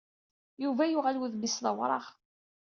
Yuba yuɣal wudem-is d awraɣ.